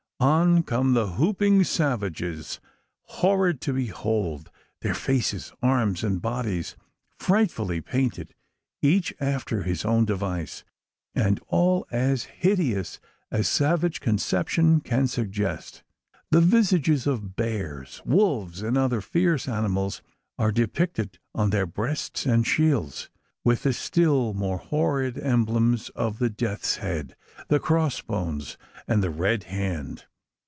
On come the whooping; savages, horrid to behold: their faces, arms, and bodies frightfully painted, each after his own device, and all as hideous as savage conception can suggest. The visages of bears, wolves, and other fierce animals, are depicted on their breasts and shields with the still more horrid emblems of the death's head, the cross bones, and the red hand.